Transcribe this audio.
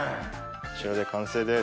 こちらで完成です。